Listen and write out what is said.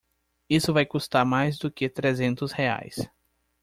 Isso vai custar mais do que trezentos reais.